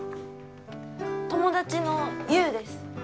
友達の悠です。